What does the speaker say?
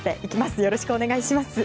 よろしくお願いします。